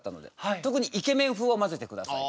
特にイケメン風を混ぜてください。